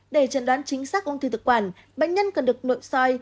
để chẩn đoán chính xác ung thư thực quản bệnh nhân cần được nội soi